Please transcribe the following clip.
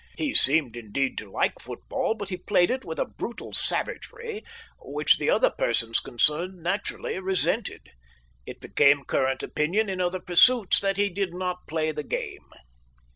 He seemed, indeed, to like football, but he played it with a brutal savagery which the other persons concerned naturally resented. It became current opinion in other pursuits that he did not play the game.